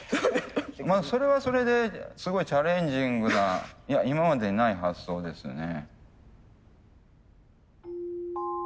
それはそれですごいチャレンジングな今までにない発想ですね。